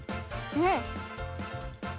うん。